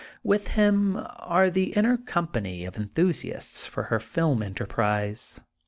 With him are the inner company of enthusiasts for her film en terprise.